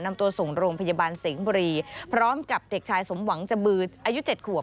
นำตัวส่งโรงพยาบาลสิงห์บุรีพร้อมกับเด็กชายสมหวังจบืออายุ๗ขวบ